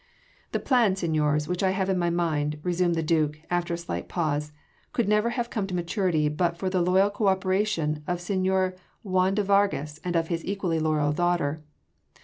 "The plan, seigniors, which I have in my mind," resumed the Duke after a slight pause, "could never have come to maturity but for the loyal co operation of señor Juan de Vargas and of his equally loyal daughter.